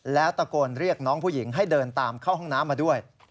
แล้วตะโกนเรียกน้องผู้หญิงให้เดินตามเข้าห้องน้ำมาด้วย